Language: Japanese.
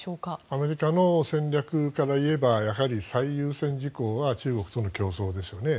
アメリカの戦略から言えば最優先事項は中国との競争ですよね。